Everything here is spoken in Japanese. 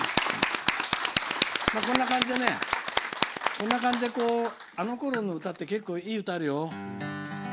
こんな感じであのころの歌って結構いい歌あるよ。